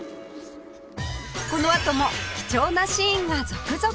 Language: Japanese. このあとも貴重なシーンが続々！